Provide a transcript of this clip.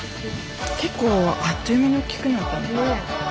結構あっという間に大きくなったね。